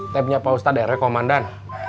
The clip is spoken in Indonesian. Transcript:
tapnya pak ustadz r e t komandan